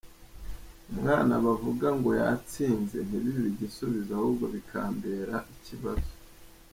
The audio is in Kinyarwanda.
Umwana bavuga ngo yatsinze ntibibe igisubizo ahubwo bikambera ikibazo.